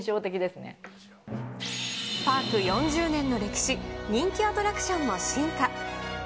パーク４０年の歴史、人気アトラクションの進化。